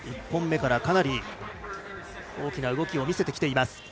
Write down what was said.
１本目からかなり大きな動きを見せています。